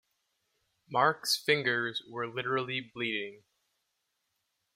Mark's fingers were literally bleeding.